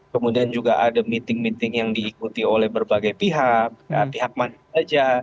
kemudian juga ada meeting meeting yang diikuti oleh berbagai pihak pihak mana saja